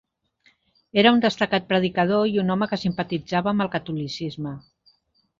Era un destacat predicador i un home que simpatitzava amb el catolicisme.